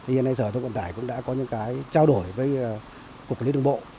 hiện nay sở thông vận tải cũng đã có những cái trao đổi với cục lý đồng bộ